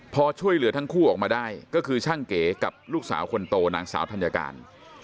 พอช่วยเหลือทั้งคู่ออกมาได้ก็คือช่างเก๋กับลูกสาวคนโตนางสาวธัญการ